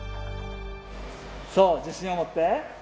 そう、自信を持って。